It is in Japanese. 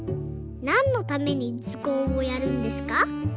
なんのためにずこうをやるんですか？」